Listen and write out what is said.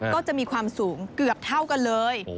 ก็จะมีความสูงเกือบเท่ากันเลย